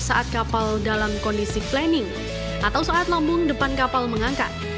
saat kapal dalam kondisi planning atau saat lambung depan kapal mengangkat